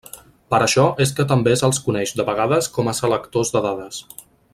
Per això és que també se'ls coneix de vegades com a selectors de dades.